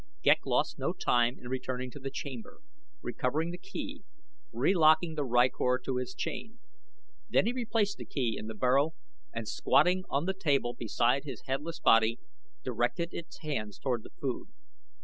Ghek lost no time in returning to the chamber, recovering the key, relocking the rykor to his chain. Then he replaced the key in the burrow and squatting on the table beside his headless body, directed its hands toward the food.